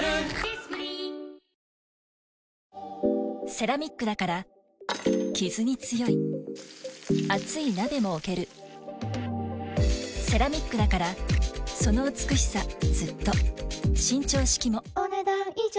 セラミックだからキズに強い熱い鍋も置けるセラミックだからその美しさずっと伸長式もお、ねだん以上。